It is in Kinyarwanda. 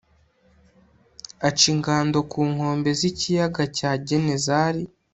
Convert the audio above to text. aca ingando ku nkombe z'ikiyaga cya genezari